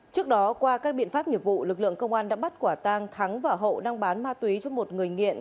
trước đó qua các biện pháp nghiệp vụ lực lượng công an đã bắt quả tang thắng và hậu đang bán ma túy cho một người nghiện